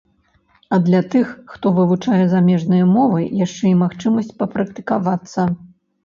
А для тых, хто вывучае замежныя мовы, яшчэ і магчымасць папрактыкавацца.